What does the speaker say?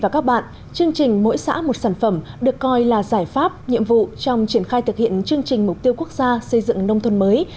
chương trình mỗi xã một sản phẩm được coi là giải pháp nhiệm vụ trong triển khai thực hiện chương trình mục tiêu quốc gia xây dựng nông thôn mới